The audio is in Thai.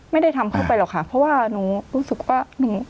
ไม่ได้ทำเข้าไปหรอกค่ะเพราะว่าหนูรู้สึกว่าหนู